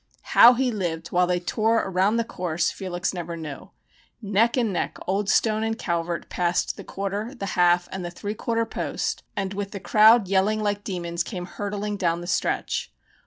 How he lived while they tore around the course Felix never knew. Neck and neck Old Stone and Calvert passed the quarter, the half, and the three quarter post, and with the crowd yelling like demons came hurtling down the stretch.